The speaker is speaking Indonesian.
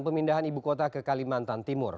pemindahan ibu kota ke kalimantan timur